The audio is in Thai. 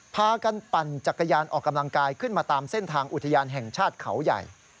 พากันปั่นจักรยานออกกำลังกายขึ้นมาตามเส้นทางอุทยานแห่งชาติเขาใหญ่